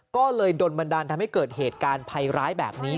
ก็เลยโดนบันดาลทำให้เกิดเหตุการณ์ภัยร้ายแบบนี้